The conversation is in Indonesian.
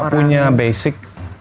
gak punya basic